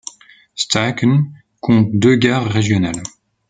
Staaken compte deux gares régionales.